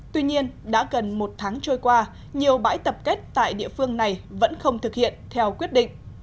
tuy nhiên đã gần một tháng trôi qua nhiều bãi tập kết tại địa phương này vẫn không thực hiện theo quyết định